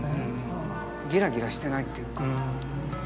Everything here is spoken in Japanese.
ギラギラしてないっていうか。